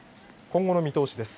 今後の見通しです。